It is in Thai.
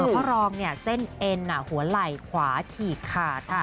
พ่อรองเนี่ยเส้นเอ็นหัวไหล่ขวาฉีกค่ะ